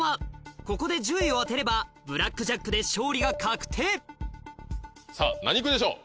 ここで１０位を当てればブラックジャックで勝利が確定さぁ何区でしょう？